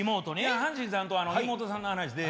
阪神さんと妹さんの話で。